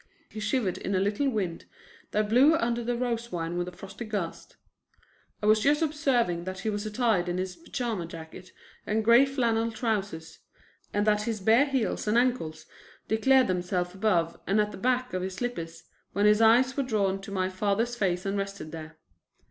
He shivered in a little wind that blew under the rose vine with a frosty gust. I was just observing that he was attired in his pajama jacket and gray flannel trousers, and that his bare heels and ankles declared themselves above and at the back of his slippers, when my eyes were drawn to my father's face and rested there.